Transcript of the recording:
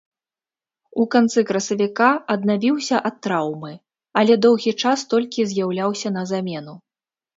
У канцы красавіка аднавіўся ад траўмы, але доўгі час толькі з'яўляўся на замену.